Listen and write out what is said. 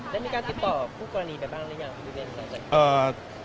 ได้มีการติดต่อกับผู้กรณีไปบ้างหรือยังพี่เบน